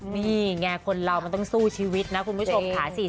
นี่ไงคนเรามันต้องสู้ชีวิตนะคุณผู้ชมค่ะ